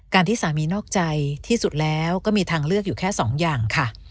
ที่สามีนอกใจที่สุดแล้วก็มีทางเลือกอยู่แค่สองอย่างค่ะ